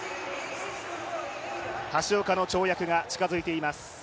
橋岡の跳躍が近づいています。